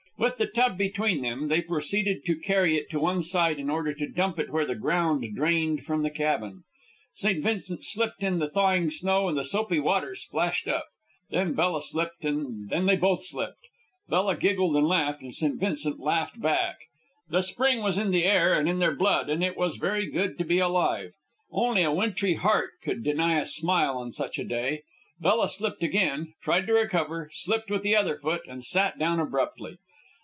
With the tub between them, they proceeded to carry it to one side in order to dump it where the ground drained from the cabin. St. Vincent slipped in the thawing snow and the soapy water splashed up. Then Bella slipped, and then they both slipped. Bella giggled and laughed, and St. Vincent laughed back. The spring was in the air and in their blood, and it was very good to be alive. Only a wintry heart could deny a smile on such a day. Bella slipped again, tried to recover, slipped with the other foot, and sat down abruptly.